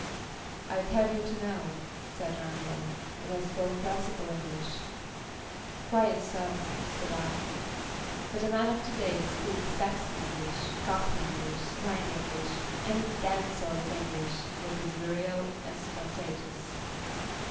"I'd have you to know," said Randall, "that I spoke classical English." "Quite so," said I. "But the men of to day speak Saxon English, Cockney English, slang English, any damned sort of English that is virile and spontaneous.